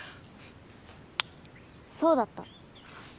そうだった！